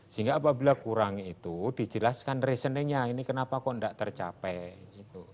sehingga apabila kurang itu dijelaskan reasonenya ini kenapa kok enggak tercapai